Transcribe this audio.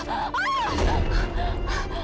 saya bukan masalahnya